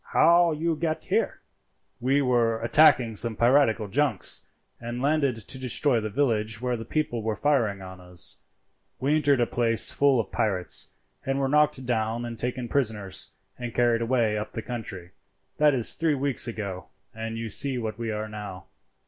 How you get here?" "We were attacking some piratical junks, and landed to destroy the village where the people were firing on us. We entered a place full of pirates, and were knocked down and taken prisoners, and carried away up the country; that is three weeks ago, and you see what we are now."